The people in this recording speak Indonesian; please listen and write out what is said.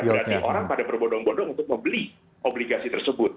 berarti orang pada berbodong bondong untuk membeli obligasi tersebut